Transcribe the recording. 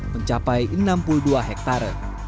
mencapai enam puluh dua hektare